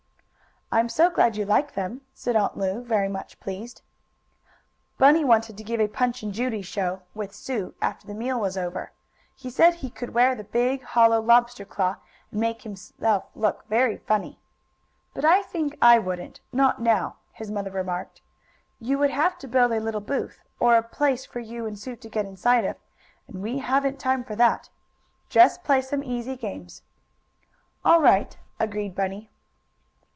"I'm so glad you like them," said Aunt Lu, very much pleased. Bunny wanted to give a Punch and Judy show, with Sue, after the meal was over. He said he could wear the big, hollow lobster claw, and make himself look very funny. "But I think I wouldn't not now," his mother remarked. "You would have to build a little booth, or place for you and Sue to get inside of, and we haven't time for that. Just play some easy games." "All right," agreed Bunny.